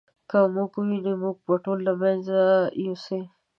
که موږ وویني موږ به ټول له منځه یوسي.